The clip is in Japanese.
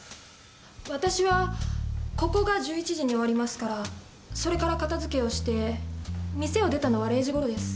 私はここが１１時に終わりますからそれから片づけをして店を出たのは０時頃です。